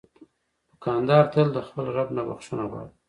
دوکاندار تل د خپل رب نه بخښنه غواړي.